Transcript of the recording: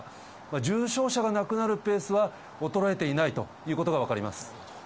重症者が亡くなるペースは衰えていないということが分かります。